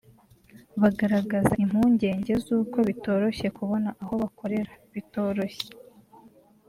bagaragaza impungege z’uko bitoroshye kubona aho bakorera bitoroshye